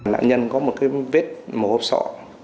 nạn nhân có một vết màu hộp sọ